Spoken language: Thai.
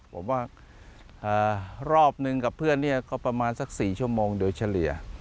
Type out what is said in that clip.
ผมว่ารอบนึงกับเพื่อนเนี่ยก็ประมาณสัก๔ชั่วโมงโดยเฉลี่ย